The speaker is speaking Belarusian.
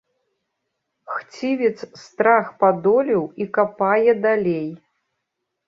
Хцівец страх падолеў і капае далей.